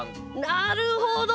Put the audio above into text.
なるほど！